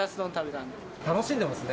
楽しんでますね。